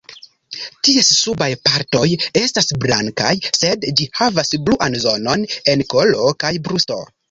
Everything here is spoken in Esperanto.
Ties subaj partoj estas blankaj, sed ĝi havas bluan zonon en kolo kaj brusto.